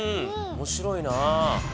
面白いな。